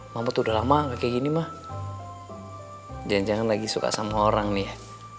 mampu udah lama kayak gini mah jangan jangan lagi suka sama orang nih